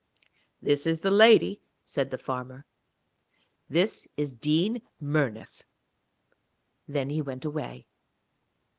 'This is the lady,' said the farmer. 'This is Dean Murnith.' Then he went away.